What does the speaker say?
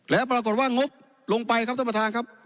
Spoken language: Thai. แล้วปรากฏว่างบลงไปครับท่านประธานครับ